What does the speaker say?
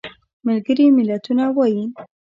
ملګري ملتونه وایي.